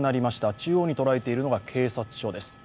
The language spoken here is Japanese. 中央に捉えているのが警察署です。